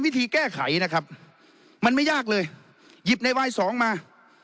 วิธีแก้ไขนะครับมันไม่ยากเลยหยิบในวายสองมา